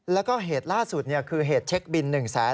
แล้วก็เหตุล่าสุดคือเหตุเช็คบิน๑แสน